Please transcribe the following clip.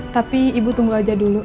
tapi ibu tunggu aja dulu